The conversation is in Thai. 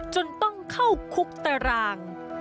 จนต้องเข้าคุกตาราง